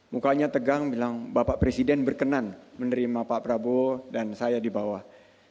mukanya tegang bilang bapak presiden berkenan menerima pak prabowo dan saya di bawah